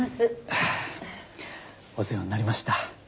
ああお世話になりました。